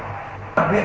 cũng có công an viện nọ